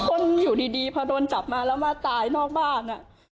คนอยู่ดีพอโดนจับมาแล้วมาตายนอกบ้าน